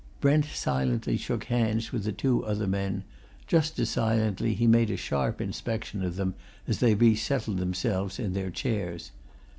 Brent silently shook hands with the two other men; just as silently he made a sharp inspection of them as they resettled themselves in their chairs.